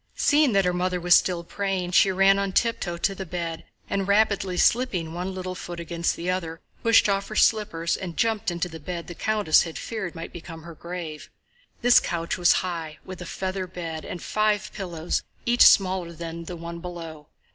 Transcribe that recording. Seeing that her mother was still praying she ran on tiptoe to the bed and, rapidly slipping one little foot against the other, pushed off her slippers and jumped onto the bed the countess had feared might become her grave. This couch was high, with a feather bed and five pillows each smaller than the one below.